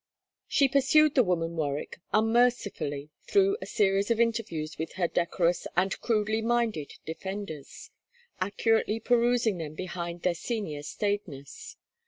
She pursued the woman Warwick unmercifully through a series of interviews with her decorous and crudely minded defenders; accurately perusing them behind their senior staidness.